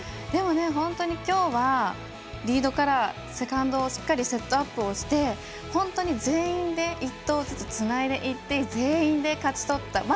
本当にきょうはリードからセカンドをしっかりセットアップをして本当に全員で１投ずつつないでいって全員で勝ち取った。